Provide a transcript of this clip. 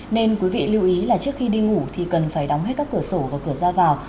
nên quý vị lưu ý là trước khi đi ngủ thì cần phải đóng hết các cửa sổ và cửa ra vào